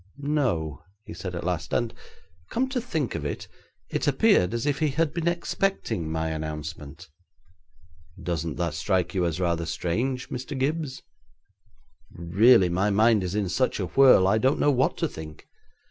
'No,' he said at last; 'and, come to think of it, it appeared as if he had been expecting my announcement.' 'Doesn't that strike you as rather strange, Mr. Gibbes?' 'Really my mind is in such a whirl, I don't know what to think.